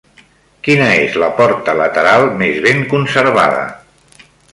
Quina és la porta lateral més ben conservada?